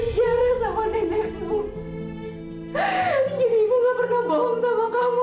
jadi ibu gak pernah bohong sama kamu